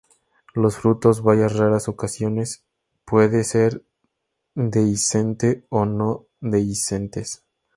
Los frutos, bayas raras ocasiones, puede ser dehiscente o no dehiscentes.